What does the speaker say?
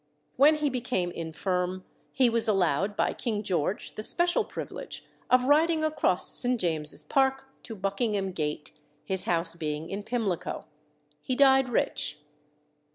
When he became infirm he was allowed by King George the special privilege of riding across St. James's Park to Buckingham Gate, his house being in Pimlico. He died rich.